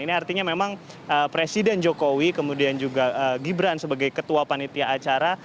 ini artinya memang presiden jokowi kemudian juga gibran sebagai ketua panitia acara